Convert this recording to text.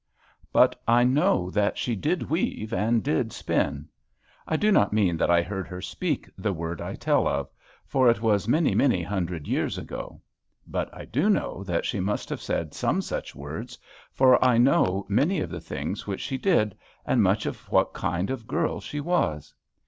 But I know she did weave and did spin. I do not mean that I heard her speak the word I tell of; for it was many, many hundred years ago. But I do know that she must have said some such words; for I know many of the things which she did, and much of what kind of girl she was.